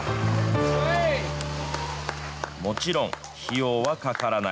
もちろん、費用はかからない。